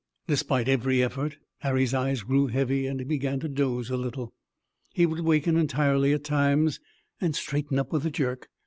Despite every effort, Harry's eyes grew heavy and he began to doze a little. He would waken entirely at times and straighten up with a jerk.